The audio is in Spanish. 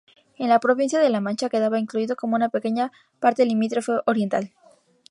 En la provincia de La Mancha quedaba incluido como una pequeña parte limítrofe oriental.